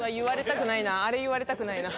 あれ言われたくないな。